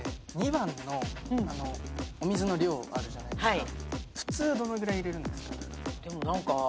２番のお水の量あるじゃないですか。